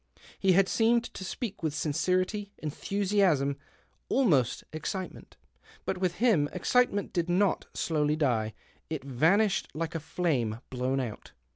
He had seemed to jpeak with sincerity, enthusiasm, almost ex citement. But with him excitement did not dowly die ; it vanished like a flame blown )ut.